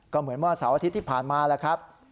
ก็เหมือนสาวอาทิตย์ที่ผ่านมาล่ะครับ